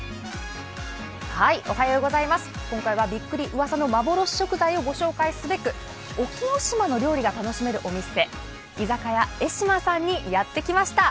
ウワサの幻食材」をご紹介すべく隠岐の島の料理が楽しめるお店居酒屋絵島さんにやってきました。